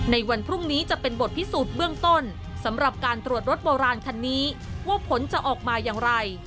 ในวันพรุ่งนี้จะเป็นบทพิสูจน์เบื้องต้นสำหรับการตรวจรถโบราณคันนี้ว่าผลจะออกมาอย่างไร